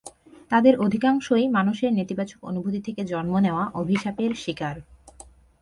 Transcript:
তাদের অধিকাংশই মানুষের নেতিবাচক অনুভূতি থেকে জন্ম নেওয়া অভিশাপের শিকার।